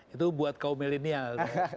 itu buat kaum milenial